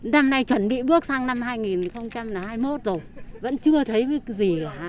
năm nay chuẩn bị bước sang năm hai nghìn hai mươi một rồi vẫn chưa thấy gì cả